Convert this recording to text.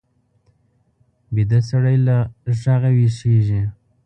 ویده سړی له غږه ویښېږي